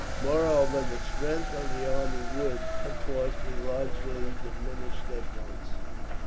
Moreover, the strength of the army would, of course, be largely diminished, at once.